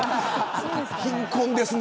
貧困ですね。